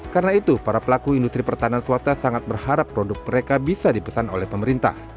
karena itu para pelaku industri pertahanan swasta sangat berharap produk mereka bisa dipesan oleh pemerintah